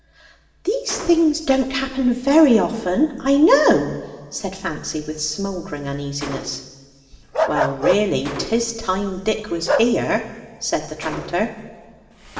"Those things don't happen very often, I know," said Fancy, with smouldering uneasiness. "Well, really 'tis time Dick was here," said the tranter.